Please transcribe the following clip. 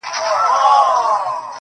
د خپل ښايسته خيال پر زرينه پاڼه.